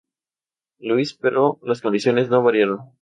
Louis, pero las condiciones no variaron.